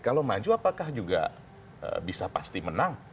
kalau maju apakah juga bisa pasti menang